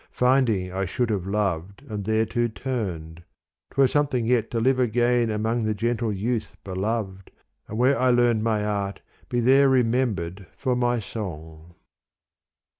Finding I should have loved and thereto turned. 'T were something yet to live again among The gentle youth beloved and where I learned My art be there remembered for my song.